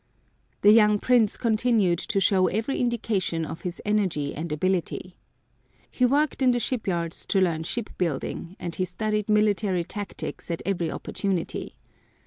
The young Prince continued to show every indication of his energy and ability. He worked in the shipyards to learn ship building, and he studied military tactics at every opportunity.